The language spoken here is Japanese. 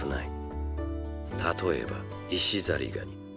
例えば石ザリガニ。